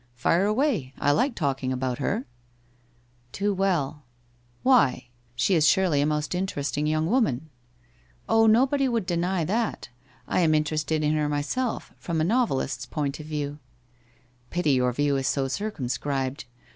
Fire away, I like talking about her/ ' Too well/ ' Why ? She is surely a most interesting young woman ?'' Oh, nobody would deny that. I am interested in her myself — from a noveli t's point of view.' ' Pity your view is so circumscribed.